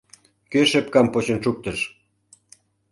Кӧ шепкам почын шуктыш?